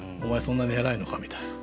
そんなに偉いのかみたいな。